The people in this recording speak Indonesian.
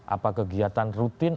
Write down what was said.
apa kegiatan rutin